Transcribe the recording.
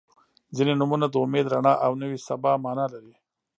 • ځینې نومونه د امید، رڼا او نوې سبا معنا لري.